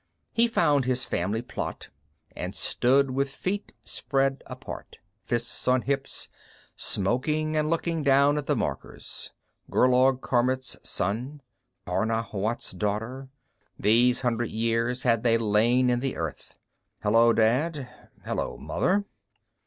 He found his family plot and stood with feet spread apart, fists on hips, smoking and looking down at the markers Gerlaug Kormt's son, Tarna Huwan's daughter, these hundred years had they lain in the earth. Hello, Dad, hello, Mother.